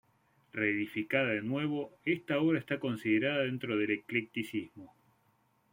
Reedificada de nuevo, esta obra está considerada dentro del eclecticismo.